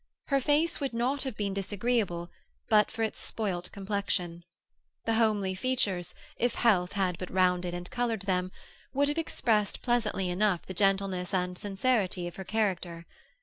Her face would not have been disagreeable but for its spoilt complexion; the homely features, if health had but rounded and coloured them, would have expressed pleasantly enough the gentleness and sincerity of her character.